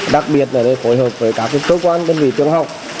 đặc biệt là phối hợp với các cơ quan đơn vị trường học